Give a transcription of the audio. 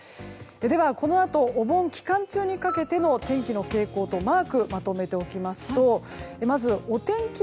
では、このあとお盆期間中にかけての天気の傾向とマークをまとめておきますとまずお天気